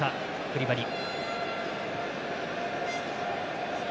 クリバリ。